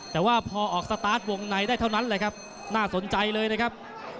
แต่ว่าพอออกสตาร์ทวงในได้เท่านั้นแหละครับน่าสนใจเลยนะครับ